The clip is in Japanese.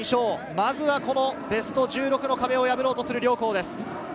まずはこのベスト１６の壁を破ろうとする両校です。